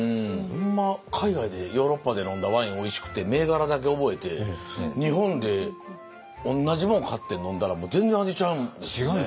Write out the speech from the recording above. ほんま海外でヨーロッパで飲んだワインおいしくて銘柄だけ覚えて日本で同じ物買って飲んだら全然味ちゃうんですよね。